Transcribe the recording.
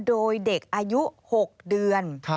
โดยเด็กอายุ๖เดือน